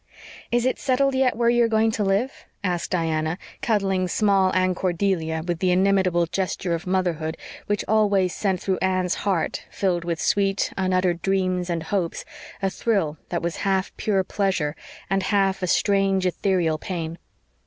"Is it settled yet where you are going to live?" asked Diana, cuddling Small Anne Cordelia with the inimitable gesture of motherhood which always sent through Anne's heart, filled with sweet, unuttered dreams and hopes, a thrill that was half pure pleasure and half a strange, ethereal pain.